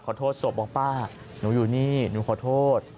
โทษศพบอกป้าหนูอยู่นี่หนูขอโทษ